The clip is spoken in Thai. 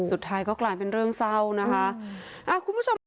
สุดท้ายก็กลายเป็นเรื่องเศร้านะคะอ่าคุณผู้ชมค่ะ